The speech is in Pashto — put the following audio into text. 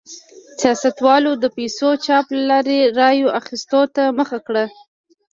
سیاستوالو د پیسو چاپ له لارې رایو اخیستو ته مخه کړه.